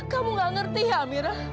kamu nggak ngerti ya amira